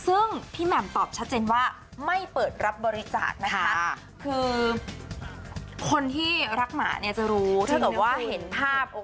ซึ่งพี่แหม่มตอบชัดเจนว่าไม่เปิดรับบริจาคนะคะคือคนที่รักหมาเนี่ยจะรู้ถ้าเกิดว่าเห็นภาพ